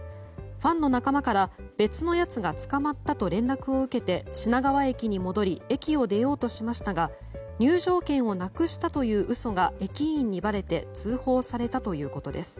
ファンの仲間から別のやつが捕まったと連絡を受けて品川駅に戻り駅を出ようとしましたが入場券をなくしたという嘘が駅員にばれて通報されたということです。